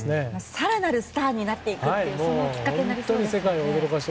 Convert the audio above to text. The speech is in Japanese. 更なるスターになっていくというきっかけになりそうですね。